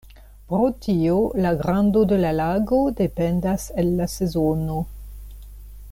Pro tio la grando de la lago dependas el la sezono.